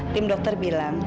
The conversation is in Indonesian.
tim dokter bilang